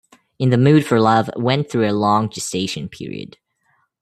"In the Mood for Love" went through a long gestation period.